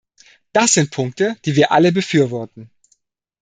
Das sind Punkte, die wir alle befürworten.